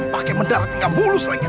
pakai mendarat nggak mulus lagi